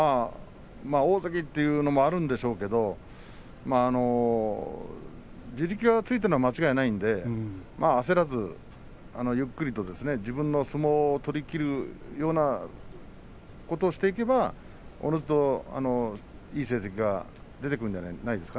大関という気持ちもあるんでしょうけど地力はついてるのは間違いないんで焦らずゆっくりと自分の相撲を取りきるようなことをしていけばいい成績が出てくると思います。